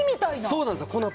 そうなんですよ。